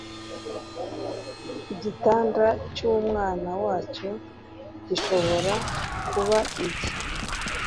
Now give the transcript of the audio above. igitanda cyumwana wacyo gishobora kuba igi